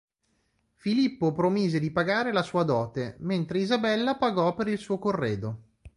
Filippo promise di pagare la sua dote, mentre Isabella pagò per il suo corredo.